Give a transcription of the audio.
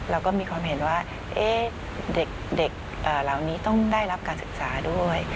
เราก็มีความเห็นว่าเด็กเหล่านี้ต้องได้รับการศึกษาด้วย